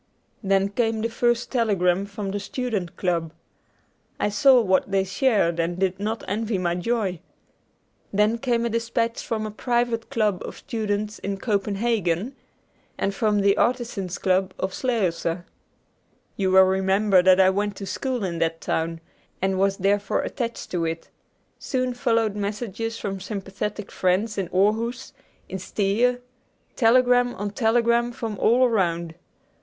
Then came the first telegram from the Student Club. I saw that they shared and did not envy my joy. Then came a dispatch from a private club of students in Copenhagen, and from the Artisans' Club of Slagelse. You will remember that I went to school in that town, and was therefore attached to it. Soon followed messages from sympathetic friends in Aarhuus, in Stege; telegram on telegram from all around.